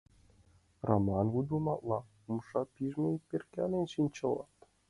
— Раман вудымалта — Умша ваш пижме деч перкален шинчылтат.